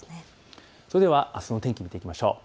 それではあすの天気を見ていきましょう。